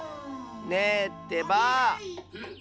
ねえってばあ！